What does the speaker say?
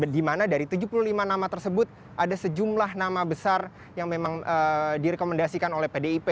di mana dari tujuh puluh lima nama tersebut ada sejumlah nama besar yang memang direkomendasikan oleh pdip